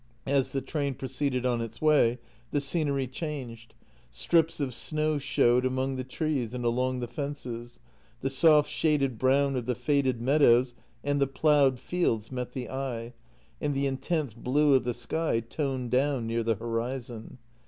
— As the train proceeded on its way the scenery changed. Strips of snow showed among the trees and along the fences; the soft, shaded brown of the faded meadows and the ploughed fields met the eye, and the intense blue of the sky toned down near the horizon.